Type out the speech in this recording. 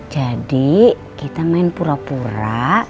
jadi kita main pura pura